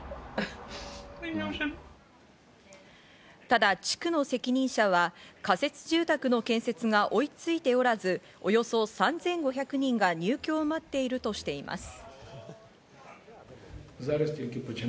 ただ地区の責任者は仮設住宅の建設が追いついておらず、およそ３５００人が入居を待っているとしています。